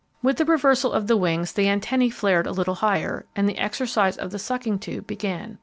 With the reversal of the wings the antennae flared a little higher, and the exercise of the sucking tube began.